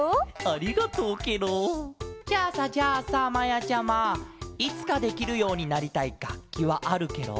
ありがとうケロ！じゃあさじゃあさまやちゃまいつかできるようになりたいがっきはあるケロ？